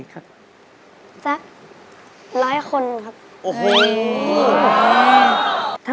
ขอบคุณค่ะ